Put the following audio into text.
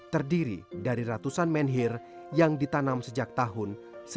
terdiri dari ratusan menhir yang ditanam sejak tahun seribu tujuh ratus tujuh belas